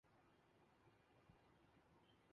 اسلامی ممالک کہیں پیچھے کھڑے ہیں۔